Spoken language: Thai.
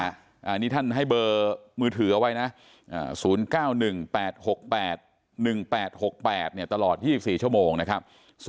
อันนี้ท่านให้เบอร์มือถือเอาไว้นะ๐๙๑๘๖๘๑๘๖๘ตลอด๒๔ชั่วโมงนะครับ